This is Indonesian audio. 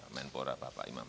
menpora bapak imam lahrawi